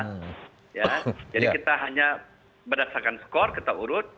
jadi kita hanya berdasarkan skor kita urut